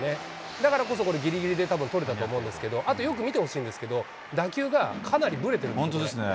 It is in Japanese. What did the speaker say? だからこそこれ、ぎりぎりで多分取れたと思うんですけど、あとよく見てほしいんですけど、打球がかなりぶれてるんですね。